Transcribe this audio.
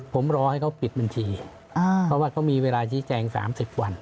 ผมรอให้เขาปิดบัญชีเพราะว่าเขามีเวลาชี้แจง๓๐วัน